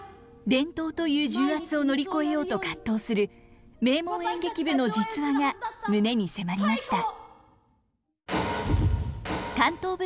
伝統という重圧を乗り越えようと葛藤する名門演劇部の実話が胸に迫りました。